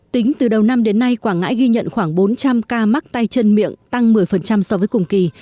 tính từ đầu năm đến nay quảng ngãi ghi nhận khoảng bốn trăm linh ca mắc tay chân miệng tăng một mươi so với cùng kỳ